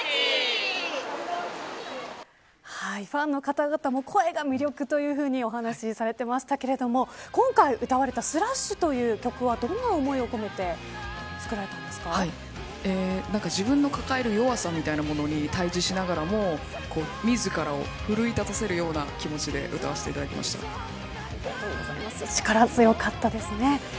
ファンの方々も声が魅力というふうにお話されていましたけれども今回歌われたｓｌａｓｈという曲はどんな思いを込めて自分の抱える弱さみたいなものに対峙しながらも自らを奮い立たせるような気持ちでありがとうございます。